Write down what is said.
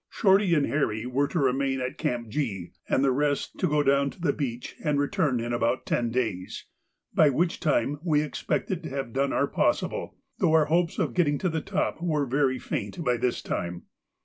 Shorty and Harry were to remain at Camp G, and the rest to go down to the beach and return in about ten days, by which time we expected to have done our possible, though our hopes of getting to the top were very faint by this time.